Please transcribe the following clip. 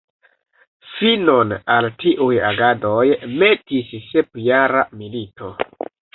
Finon al tiuj agadoj metis Sepjara milito.